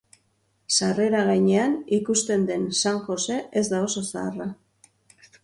Sarrera gainean ikusten den San Jose ez da oso zaharra.